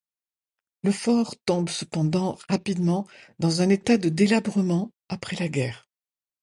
Le fort tombe cependant rapidement dans un état de délabrement après la guerre.